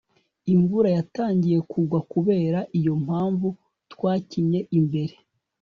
imvura yatangiye kugwa. kubera iyo mpamvu, twakinnye imbere